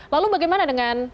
lalu bagaimana dengan